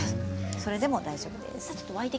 それでも大丈夫です。